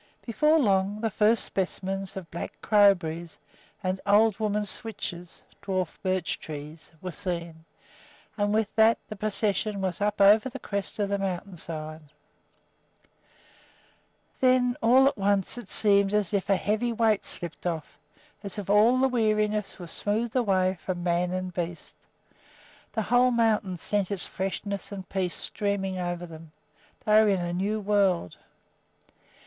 Before long the first specimens of black crowberries and "old woman's switches" (dwarf birch trees) were seen; and with that the procession was up over the crest of the mountain side. [Illustration: THE VALLEY AND THE FARMS] Then, all at once, it seemed as if a heavy weight slipped off; as if all weariness was smoothed away from man and beast. The whole mountain sent its freshness and peace streaming over them. They were in a new world.